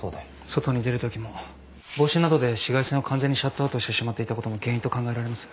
外に出るときも帽子などで紫外線を完全にシャットアウトしてしまっていたことも原因と考えられます。